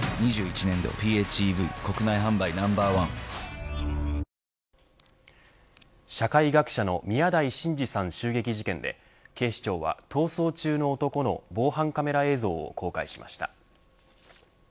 ４団体統一は世界でも社会学者の宮台真司さん襲撃事件で警視庁は、逃走中の男の防犯カメラ映像を公開しました。